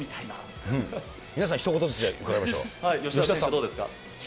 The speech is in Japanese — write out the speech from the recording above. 皆さん、ひと言ずつ伺いましょう、芳田さん。